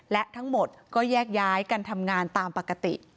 และทั้งหมดก็แยกย้ายกันทำงานตามปกติ